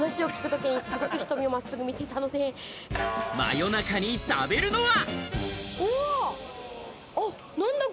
夜中に食べるのは？